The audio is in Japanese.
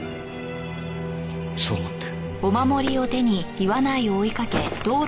そう思って。